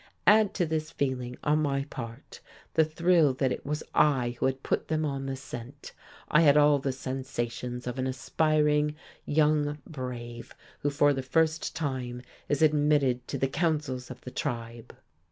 Add to this feeling, on my part, the thrill that it was I who had put them on the scent. I had all the sensations of an aspiring young brave who for the first time is admitted to the councils of the tribe!